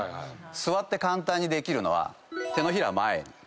座って簡単にできるのは手のひらを前に。